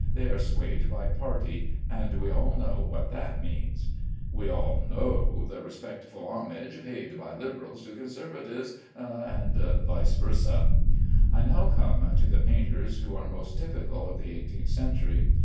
They are swayed by party, and we all know what that means. We all know the respectful homage paid by Liberals to Conservatives, and vice versâ. I now come to the painters who are most typical of the eighteenth century.